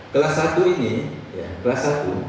kelas satu ini kelas satu